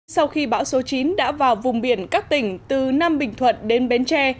sau khi bão số chín đã vào vùng biển các tỉnh từ nam bình thuận đến bến tre